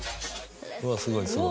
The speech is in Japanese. うわすごいすごい。